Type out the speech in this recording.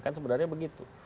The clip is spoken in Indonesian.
kan sebenarnya begitu